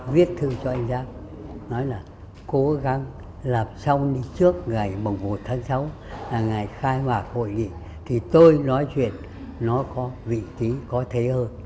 vì vậy tôi nói chuyện nó có vị trí có thể hơn